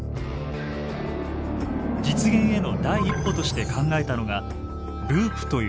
実現への第一歩として考えたのがループという仕組み。